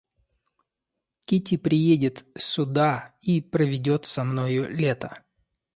Кити приедет сюда и проведет со мною лето.